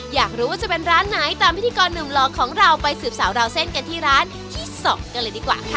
อยากรู้ว่าจะเป็นร้านไหนตามพิธีกรหนุ่มหลอกของเราไปสืบสาวราวเส้นกันที่ร้านที่๒กันเลยดีกว่าค่ะ